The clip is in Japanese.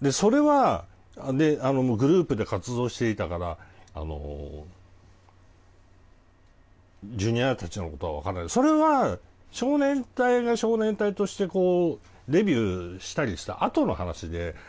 グループで活動していたからＪｒ．たちのことは分からないですけどそれは、少年隊が少年隊としてデビューしたりしたあとの話で。